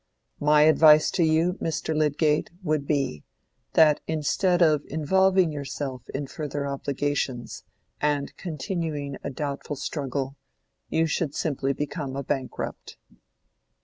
My advice to you, Mr. Lydgate, would be, that instead of involving yourself in further obligations, and continuing a doubtful struggle, you should simply become a bankrupt."